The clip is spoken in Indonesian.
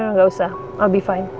nggak usah i'll be fine